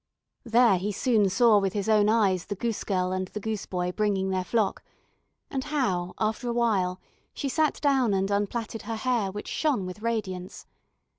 There he soon saw with his own eyes the goose girl and the goose boy bringing their flock, and how after a while she sat down and unplaited her hair, which shone with radiance.